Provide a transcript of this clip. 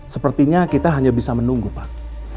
sepertinya kita hanya bisa menunggu pak